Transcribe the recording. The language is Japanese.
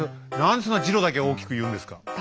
何でそんなジロだけ大きく言うんですか？